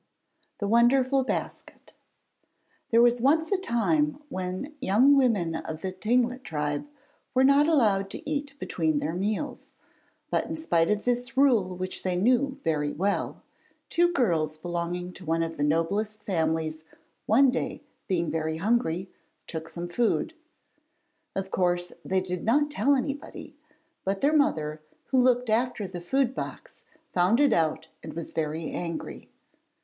THE WONDERFUL BASKET There was once a time when young women of the Tlingit tribe were not allowed to eat between their meals, but in spite of this rule which they knew very well, two girls belonging to one of the noblest families one day being very hungry took some food. Of course, they did not tell anybody, but their mother, who looked after the food box found it out and was very angry.